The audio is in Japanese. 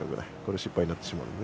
失敗になってしまうので。